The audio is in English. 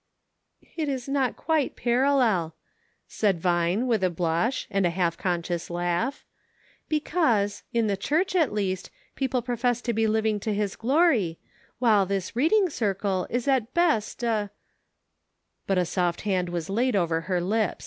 " It is not quite parallel," said Vine, with a blush, and a half conscious laugh, "because, in the church at least, people profess to be living to His glory, while this Reading Circle is at best a —" But a soft hand was laid over her lips.